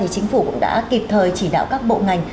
chính phủ cũng đã kịp thời chỉ đạo các bộ ngành